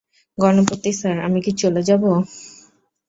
Ganapati sir, আমি কী চলে যাবো?